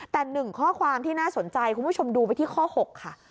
แต่๑ข้อความที่น่าสนใจคุณผู้ชมดูไปที่ข้อ๖ค่ะ